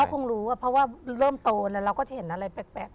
คงรู้เพราะว่าเริ่มโตแล้วเราก็จะเห็นอะไรแปลก